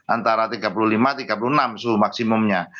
antara tiga puluh lima tiga puluh enam suhu maksimumnya